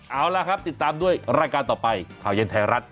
เอาล่ะครับติดตามด้วยรายการต่อไปข่าวเย็นไทยรัฐ